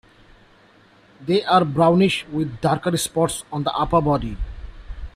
They are brownish with darker spots on the upper body.